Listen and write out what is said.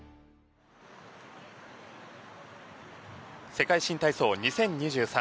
世界新体操２０２３。